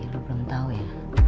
lo belum tau ya